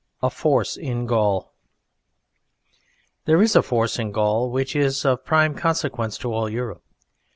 A FORCE IN GAUL There is a force in Gaul which is of prime consequence to all Europe.